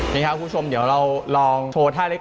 นี่ครับคุณผู้ชมเดี๋ยวเราลองโชว์ท่าเล็ก